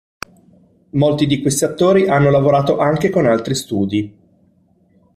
Molti di questi attori hanno lavorato anche con altri studi.